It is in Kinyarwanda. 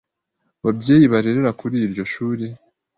babyeyi barerera kuri iryo shuri